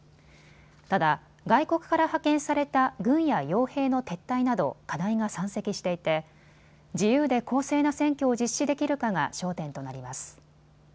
ただ外国から派遣された軍やよう兵の撤退など課題が山積していて自由で公正な選挙を実施できるかが焦点となります。